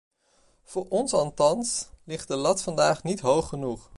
Voor ons althans ligt de lat vandaag niet hoog genoeg.